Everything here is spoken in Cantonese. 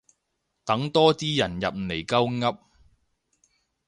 等多啲人入嚟鳩噏